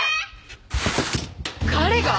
彼が？